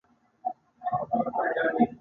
شرف الدین یزدي د دې سیمې اوسیدونکي اوغانیان بولي.